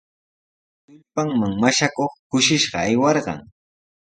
Tullpanman mashakuq kushishqa aywarqan.